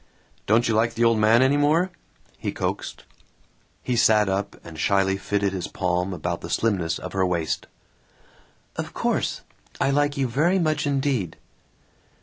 "Don't you like the old man any more?" he coaxed. He sat up and shyly fitted his palm about the slimness of her waist. "Of course. I like you very much indeed."